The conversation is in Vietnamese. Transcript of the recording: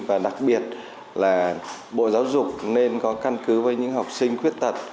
và đặc biệt là bộ giáo dục nên có căn cứ với những học sinh khuyết tật